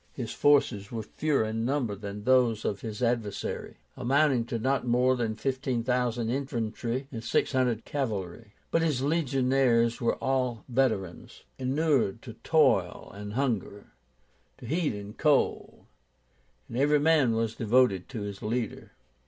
His forces were fewer in number than those of his adversary, amounting to not more than 15,000 infantry and 600 cavalry. But his legionaries were all veterans, inured to toil and hunger, to heat and cold, and every man was devoted to his leader.